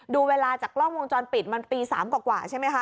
ดูเวลาจากกล้องวงจรปิดมันตี๓กว่าใช่ไหมคะ